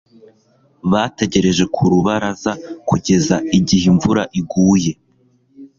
bategereje ku rubaraza kugeza igihe imvura iguye